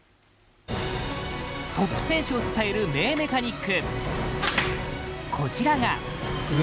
トップ選手を支える名メカニック。